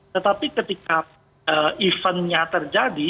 tetapi ketika event nya terjadi